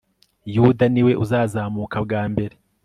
yuda ni we uzazamuka bwa mbere